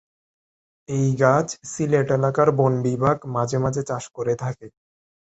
এই গাছ সিলেট এলাকার বন বিভাগ মাঝে মাঝে চাষ করে থাকে।